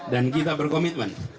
dan kita berkomitmen